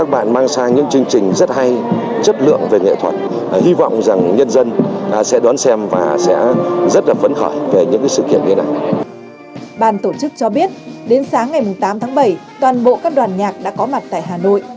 ban tổ chức cho biết đến sáng ngày tám tháng bảy toàn bộ các đoàn nhạc đã có mặt tại hà nội